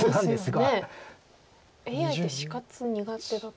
ＡＩって死活苦手だったり。